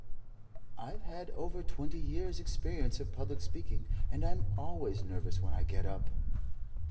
"I've had over twenty years' experience of public speaking, and I'm always nervous when I get UP."